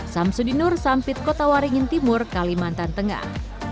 sam sudinur sampit kota waringin timur kalimantan tengah